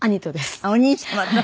あっお兄様と？